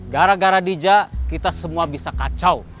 gara gara bijak kita semua bisa kacau